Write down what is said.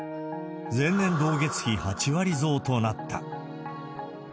前年同月比８割増となった。